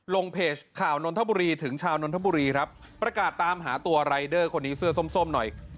ลงเพจข่าวนนทบุรีถึงชาวนนทบุรีครับประกาศตามหาตัวรายเดอร์คนนี้เสื้อส้มส้มหน่อย